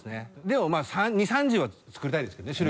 でもまぁ２０３０は作りたいですけどね。